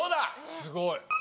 すごい。